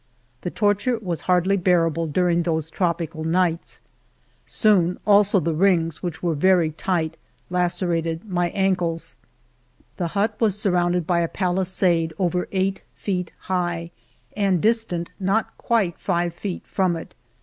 The torture was hardly bearable during those trop ical nights. Soon also the rings, which were very tight, lacerated my ankles. The hut was surrounded by a palisade over 222 FIVE YEARS OF MY LIFE eight feet high, and distant not quite fivt feet from it.